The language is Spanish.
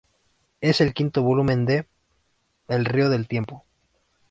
Es el quinto volumen de "El río del tiempo".